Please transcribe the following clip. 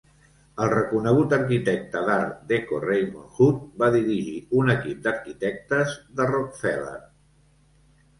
El reconegut arquitecte d'Art Deco Raymond Hood va dirigir un equip d'arquitectes de Rockefeller.